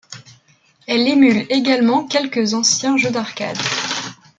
Elle émule également quelques anciens jeux d'arcade.